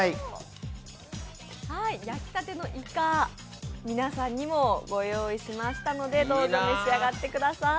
焼きたてのいか、皆さんにも御用意しましたのでどうぞ召し上がってください。